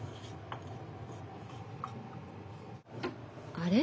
あれ？